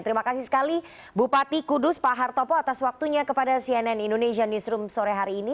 terima kasih sekali bupati kudus pak hartopo atas waktunya kepada cnn indonesia newsroom sore hari ini